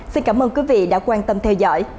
xin cảm ơn quý vị đã quan tâm theo dõi